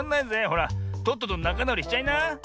ほらとっととなかなおりしちゃいな。